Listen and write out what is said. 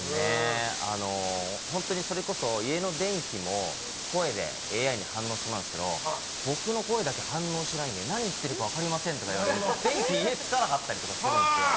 本当にそれこそ家の電気も声でＡＩに反応するんですけど僕の声だけ反応しないで何言ってるか分かりませんとか言われて電気、家つかなかったりするんですよ。